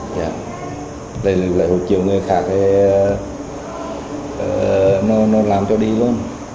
đây là lại hộ chiếu người khác thì nó làm cho đi luôn